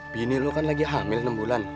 pini lo kan lagi hamil enam bulan